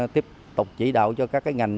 tiếp tục chỉ đạo cho các cái ngành